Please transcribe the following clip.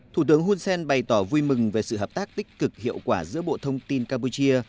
thủ tướng hun sen bày tỏ vui mừng về sự hợp tác tích cực hiệu quả giữa bộ thông tin campuchia